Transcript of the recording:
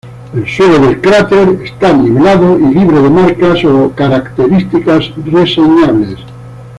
El suelo del cráter está nivelado y libre de marcas o características reseñables.